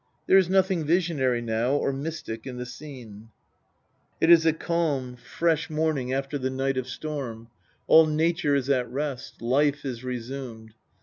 There is nothing visionary now, or mystic, in the scene. It is a calm, fresh LXXX THE POETIC EDDA. morning after the night of storm ; all nature is at rest ; life is resumed.